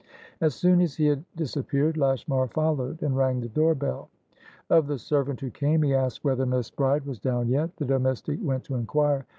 As soon as he had disappeared, Lashmar followed, and rang the door bell. Of the servant who came, he asked whether Miss Bride was down yet. The domestic went to inquire.